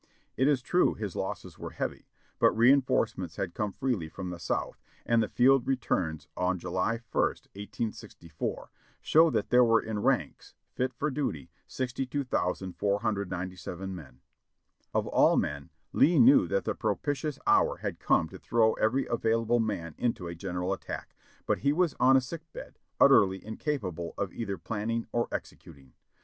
It is true his losses were heavy, but reinforcements had come freely from the South, and the field returns on July ist, 1864, show that there were in ranks, fit for duty, 62,497 men. ( Reb. Records, Vol. 51, p. looi.) Of all men, Lee knew that the propitious hour had come to throw every a^•ailable man into a general attack, but he was on a sick bed, utterly incapable of either planning or executing.